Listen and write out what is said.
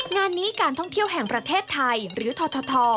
งานนี้การท่องเที่ยวแห่งประเทศไทยหรือทท